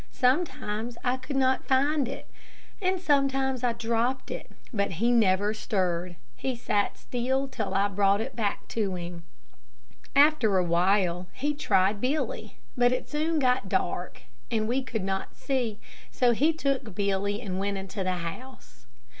Sometimes I could not find it, and sometimes I dropped it; but he never stirred. He sat still till I brought it to him. After a while he tried Billy, but it soon got dark, and we could not see, so he took Billy and went into the house.